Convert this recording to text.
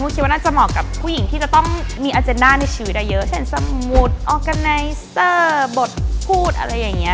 เป็นหน้าในชีวิตได้เยอะเช่นสมุทรออร์กันไนเซอร์บทพูดอะไรอย่างนี้